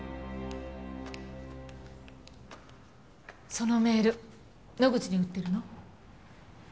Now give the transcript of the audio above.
そのメール野口に打ってるの？